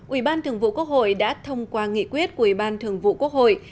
ủy ban thường vụ quốc hội đã thông qua nghị quyết của ủy ban thường vụ quốc hội